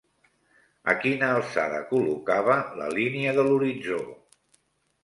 A quina alçada col·locava la línia de l'horitzó?